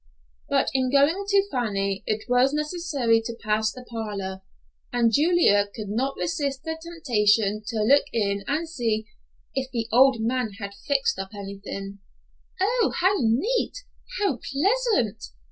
But in going to Fanny, it was necessary to pass the parlor, and Julia could not resist the temptation to look in and see "if the old man had fixed up any." "Oh, how neat, how pleasant!"